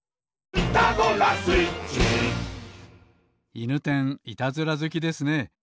いぬてんいたずらずきですね。